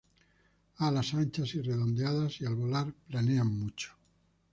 Alas anchas y redondeadas y al volar planean mucho.